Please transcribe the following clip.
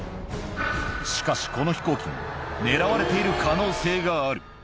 しかし、この飛行機も狙われている可能性がある。